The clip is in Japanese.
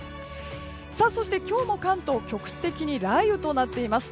そして、今日の関東局地的に雷雨となっています。